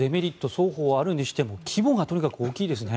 双方あるにしても規模がとにかく大きいですね。